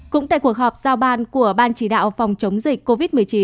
cũng tại cuộc họp giao ban của ban chỉ đạo phòng chống dịch covid một mươi chín